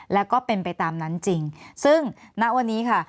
แล้วก็เป็นไปตามนั้นจริงซึ่งณวันนี้ค่ะ